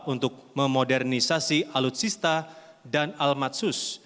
untuk memodernisasi alutsista dan almatsus